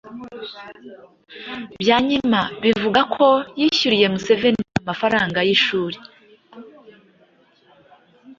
Byanyima bivugwa ko yishyuriye Museveni amafaranga y’ishuri